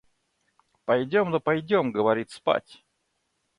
Пойдем да пойдем, говорит, спать.